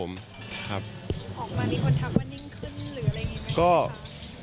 ออกมาที่พัฒนธรรมมันยิ่งขึ้นหรืออะไรอย่างนี้ไหมครับ